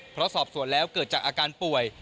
เพราะสอบสวนแล้วเกิดจากอาการป่วย